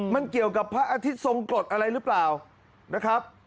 มันเกี่ยวกับพระอาทิตย์ทรงกฎอะไรหรือเปล่านะครับ